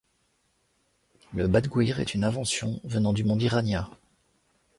Le badguir est une invention venant du monde iranien.